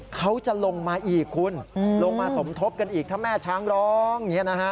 เขาจะลงมาอีกคุณลงมาสมทบกันอีกถ้าแม่ช้างร้อง